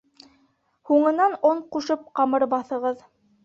Һуңынан он ҡушып ҡамыр баҫығыҙ.